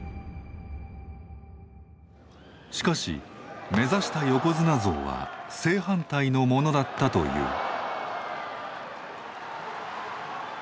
しかし目指した横綱像は正反対のものだったという。